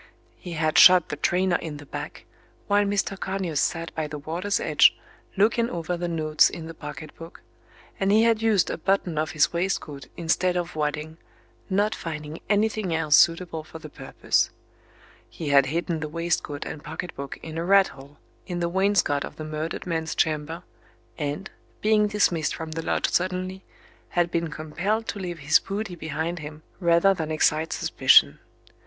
He had shot the trainer in the back while Mr. Conyers sat by the water's edge looking over the notes in the pocket book, and he had used a button off his waistcoat instead of wadding, not finding anything else suitable for the purpose. He had hidden the waistcoat and pocket book in a rat hole in the wainscot of the Page 198 murdered man's chamber, and, being dismissed from the lodge suddenly, had been compelled to leave his booty behind him rather than excite suspicion.